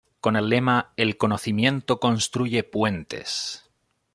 Con el lema ""El conocimiento construye puentes.